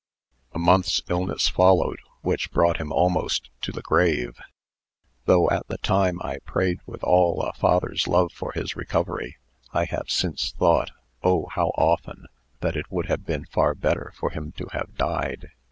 "A month's illness followed, which brought him almost to the grave. Though, at the time, I prayed with all a father's love for his recovery, I have since thought oh, how often! that it would have been far better for him to have died.